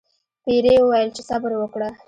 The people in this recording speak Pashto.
پیري وویل چې صبر وکړه.